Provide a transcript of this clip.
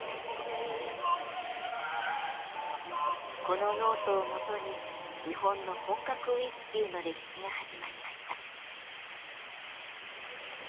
このノートをもとに日本の本格ウイスキーの歴史が始まりました。